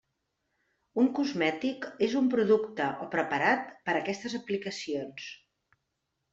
Un cosmètic és un producte o preparat per aquestes aplicacions.